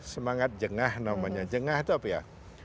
semangat jengah namanya jengah itu apa ya